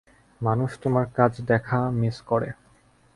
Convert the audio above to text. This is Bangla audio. মানুষ তোমার কাজ দেখা মিস করে।